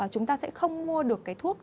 chúng ta sẽ không mua được cái thuốc